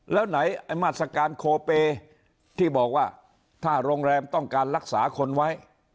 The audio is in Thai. แล้วไหนไอ้มาตรการโคเปที่บอกว่าถ้าโรงแรมต้องการรักษาคนไว้